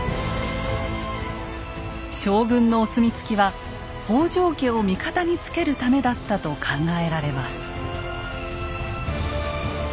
将軍のお墨付きは北条家を味方につけるためだったと考えられます。